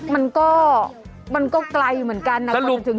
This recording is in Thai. มันก็มันก็ไกลเหมือนกันนะ